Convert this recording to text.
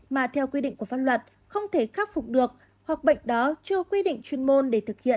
mà theo quy định của pháp luật không thể khắc phục được hoặc bệnh đó chưa quy định chuyên môn để thực hiện